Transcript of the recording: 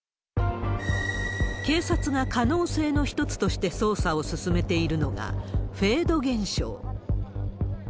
警察が可能性の一つとして捜査を進めているのが、フェード現象。